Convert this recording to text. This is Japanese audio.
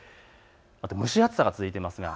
あと蒸し暑さが続いています。